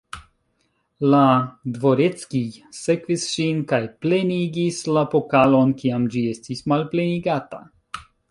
La dvoreckij sekvis ŝin kaj plenigis la pokalon, kiam ĝi estis malplenigata.